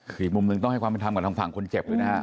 คืออีกมุมหนึ่งต้องให้ความเป็นธรรมกับทางฝั่งคนเจ็บด้วยนะฮะ